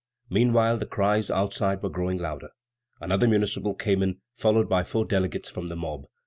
Meanwhile the cries outside were growing louder. Another municipal came in, followed by four delegates from the mob.